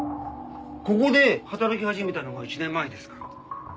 ここで働き始めたのが１年前ですから。